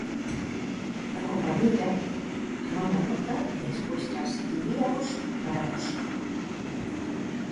A compañeira tomaba nota e despois transcribíaos para nós.